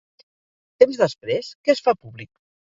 Temps després, què es fa públic?